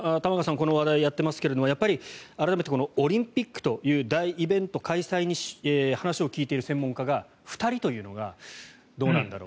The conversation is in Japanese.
この話題をやっていますがオリンピックという大イベント開催に話を聞いている専門家が２人というのがどうなんだろう。